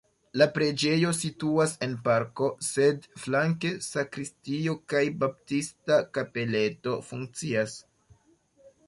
La preĝejo situas en parko, sed flanke sakristio kaj baptista kapeleto funkcias.